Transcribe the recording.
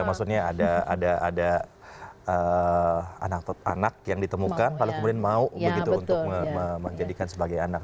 maksudnya ada anak yang ditemukan lalu kemudian mau begitu untuk menjadikan sebagai anak